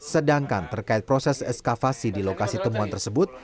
sedangkan terkait proses eskavasi di lokasi temuan tersebut